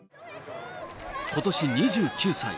ことし２９歳。